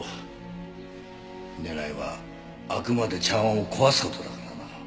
狙いはあくまで茶碗を壊す事だからな。